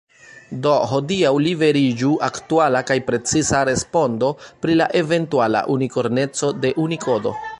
Do hodiaŭ liveriĝu aktuala kaj preciza respondo pri la eventuala unikorneco de Unikodo.